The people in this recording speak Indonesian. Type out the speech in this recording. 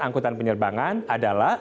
angkutan penyeberangan adalah